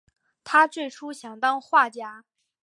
他最初想当画家。